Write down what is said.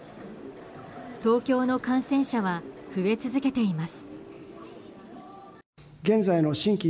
東京の感染者は増え続けています。